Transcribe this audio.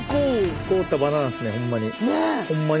凍ったバナナっすねホンマに。